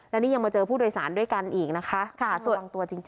และนี่ยังมาเจอผู้โดยสารด้วยกันอีกนะคะสุดบังตัวจริง